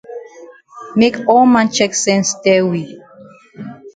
Make all man chek sense tell we.